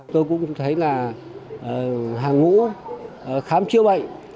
tôi cũng thấy là hàng ngũ khám chữa bệnh